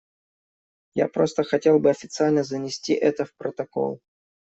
Я просто хотел бы официально занести это в протокол.